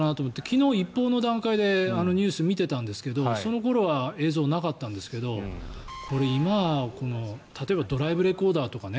昨日、一報の段階でニュースを見ていたんですけどその頃は映像はなかったんですが今は例えばドライブレコーダーとかね。